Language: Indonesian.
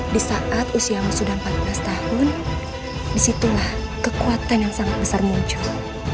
di saat usiamu sudah empat belas tahun disitulah kekuatan yang sangat besar muncul